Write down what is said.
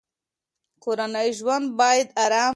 کورنی ژوند باید ارام وي.